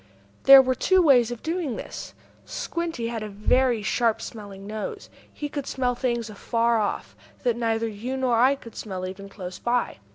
There were two ways of doing this. Squinty had a very sharp smelling nose. He could smell things afar off, that neither you nor I could smell even close by.